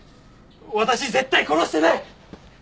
私絶対殺してない！